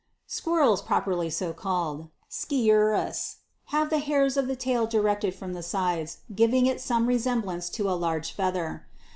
SQUIRRELS PROPERLY so CALLED, Sciurus, have the hairs of the tail directed from the sides, giving it some resemblance to a large feather.